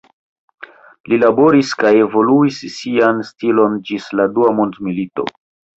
Li laboris kaj evoluis sian stilon ĝis la dua mondmilito.